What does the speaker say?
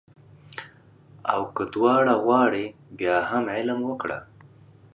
او که دواړه غواړې بیا هم علم وکړه